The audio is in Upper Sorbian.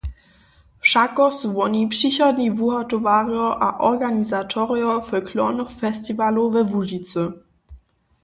Wšako su woni přichodni wuhotowarjo a organizatorojo folklornych festiwalow we Łužicy.